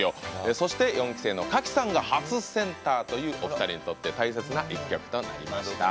そして、４期生の賀喜さんが初センターというお二人にとって大切な一曲となりました。